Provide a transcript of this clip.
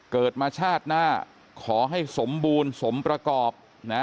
เกิดมาชาติหน้าขอให้สมบูรณ์สมประกอบนะ